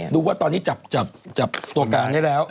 ดูว่าตอนนี้จับตัวการได้แล้ว